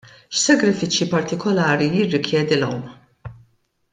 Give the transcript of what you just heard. X'sagrifiċċji partikolari jirrikjedi l-għawm?